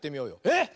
えっ！